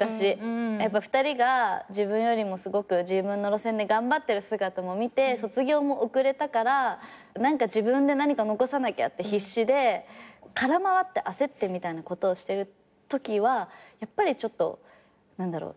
やっぱ２人が自分よりもすごく自分の路線で頑張ってる姿も見て卒業も遅れたから自分で何か残さなきゃって必死で空回って焦ってみたいなことをしてるときはやっぱりちょっと何だろう？